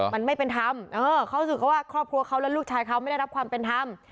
มันไม่เป็นธรรมเขารู้สึกเขาว่าครอบครัวเขาและลูกชายเขาไม่ได้รับความเป็นธรรม